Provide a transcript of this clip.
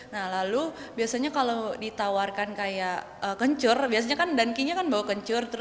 nah lalu biasanya kalau ditawarkan kayak kencur